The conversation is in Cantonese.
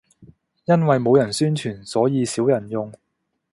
因為冇人宣傳，所以少人用